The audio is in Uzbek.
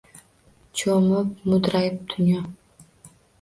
Choʼmib mudraydi dunyo.